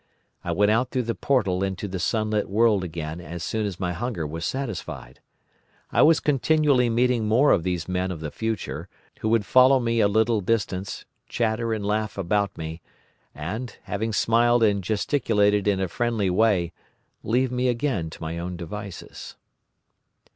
I went out through the portal into the sunlit world again as soon as my hunger was satisfied. I was continually meeting more of these men of the future, who would follow me a little distance, chatter and laugh about me, and, having smiled and gesticulated in a friendly way, leave me again to my own devices.